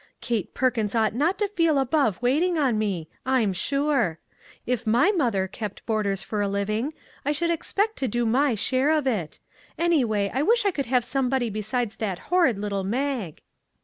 Kate Perkins ought not to feel above waiting on me, I am sure. If my mother kept boarders for a living, I should expect to do my share of it. Anyway, I wish I could have somebody besides that hor rid little Mag."